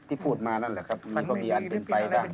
ที่พูดมานั่นแหละครับมีก็มีอันเป็นปลายบ้าง